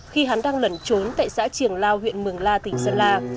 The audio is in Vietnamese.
khi hắn đang lẩn trốn tại xã triềng lao huyện mường la tỉnh sơn la